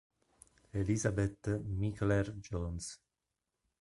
Elisabeth Micheler-Jones